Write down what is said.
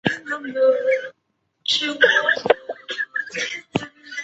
初为翰林院编修。